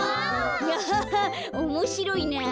アハハおもしろいなぁ。